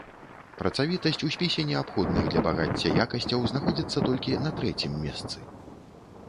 Працавітасць у спісе неабходных для багацця якасцяў знаходзіцца толькі на трэцім месцы.